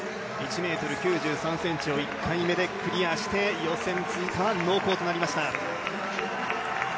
１ｍ９３ｃｍを１回目でクリアして予選通過濃厚となりました。